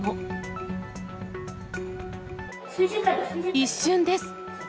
一瞬です。